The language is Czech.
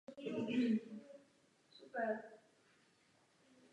Žaludy klíčí pod zemí a masité dělohy zůstávají pod povrchem.